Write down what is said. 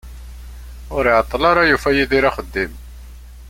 Ur iεeṭṭel ara yufa Yidir axeddim.